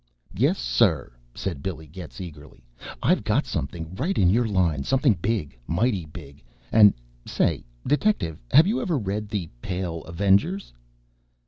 "Yes, sir," said Billy Getz eagerly, "I've got something right in your line something big; mighty big and say, detective, have you ever read 'The Pale Avengers'?"